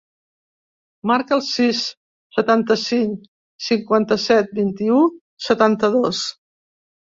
Marca el sis, setanta-cinc, cinquanta-set, vint-i-u, setanta-dos.